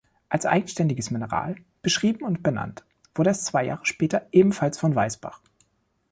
Als eigenständiges Mineral beschrieben und benannt wurde es zwei Jahre später ebenfalls von Weisbach.